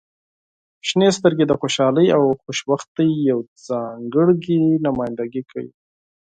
• شنې سترګې د خوشحالۍ او خوشبختۍ یوه ځانګړې نمایندګي کوي.